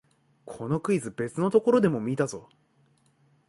このクイズ、別のところでも見たぞ